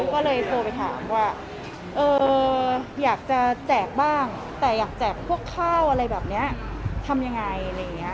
ก็เลยโทรไปถามว่าอยากจะแจกบ้างแต่อยากแจกพวกข้าวอะไรแบบนี้ทำยังไงอะไรอย่างนี้